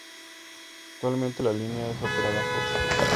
Actualmente la línea es operada por Cía.